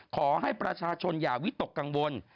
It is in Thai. ขอให้ประชาชนอย่าวิตกกังวล